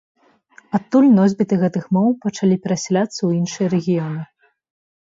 Адтуль носьбіты гэтых моў пачалі перасяляцца ў іншыя рэгіёны.